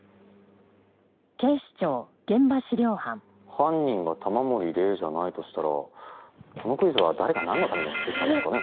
犯人が玉森玲じゃないとしたらこのクイズは誰がなんのために送ってきたんですかね？